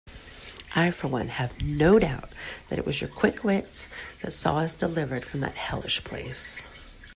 I for one have no doubt that it was your quick wits that saw us delivered from that hellish place.